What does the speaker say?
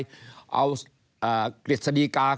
ก็จะมาจับทำเป็นพรบงบประมาณ